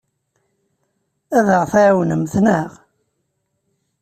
Ad aɣ-tɛawnemt, naɣ?